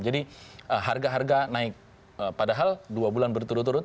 jadi harga harga naik padahal dua bulan berturut turut